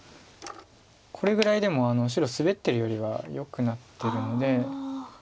これぐらいでも白スベってるよりはよくなってるので。